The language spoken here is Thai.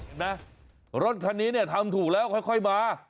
เห็นไหมรถคันนี้เนี่ยทำถูกแล้วค่อยมา